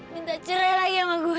minta cerai lagi sama gue